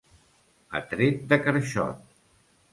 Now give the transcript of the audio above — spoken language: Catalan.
A tret de carxot.